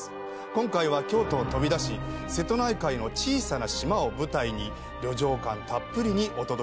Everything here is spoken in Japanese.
今回は京都を飛び出し瀬戸内海の小さな島を舞台に旅情感たっぷりにお届け致します。